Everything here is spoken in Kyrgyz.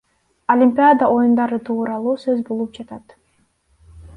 Олимпиада оюндары тууралуу сөз болуп жатат.